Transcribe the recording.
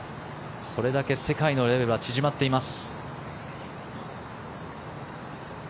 それだけ世界とのレベルは縮まっています。